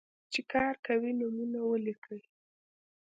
چې کار کوي، نومونه ولیکئ.